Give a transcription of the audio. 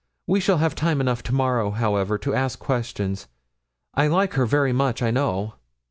We shall have time enough to morrow, however, to ask questions. I like her very much, I know.'